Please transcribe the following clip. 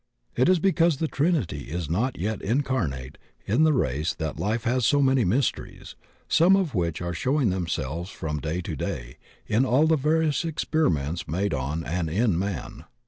It is because the trinity is not yet incarnate in the race that life has so many mysteries, some of which are showing themselves from day to day in all the various experiments made on and in man.